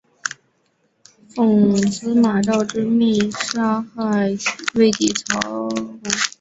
奉司马昭之命弑害魏帝曹髦。